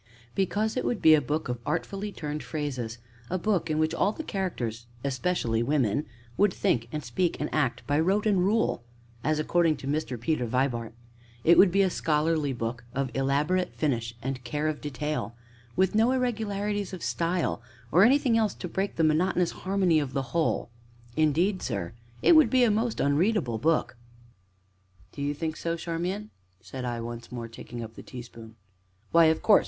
"Because it would be a book of artfully turned phrases; a book in which all the characters, especially women, would think and speak and act by rote and rule as according to Mr. Peter Vibart; it would be a scholarly book, of elaborate finish and care of detail, with no irregularities of style or anything else to break the monotonous harmony of the whole indeed, sir, it would be a most unreadable book!" "Do you think so, Charmian?" said I, once more taking up the teaspoon. "Why, of course!"